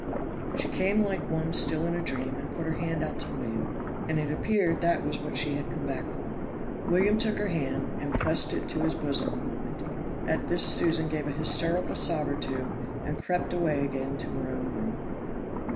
She came like one still in a dream, and put her hand out to William, and it appeared that was what she had come back for. William took her hand and pressed it to his bosom a moment. At this Susan gave a hysterical sob or two, and crept away again to her own room.